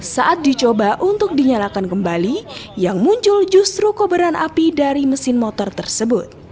saat dicoba untuk dinyalakan kembali yang muncul justru kobaran api dari mesin motor tersebut